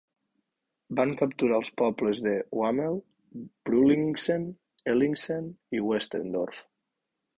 Van capturar els pobles de Wamel, Brullinggsen, Ellingsen i Westendorf.